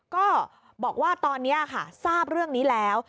ก็บอกว่าตอนนี้ค่ะทราบเรื่องนี้แล้ว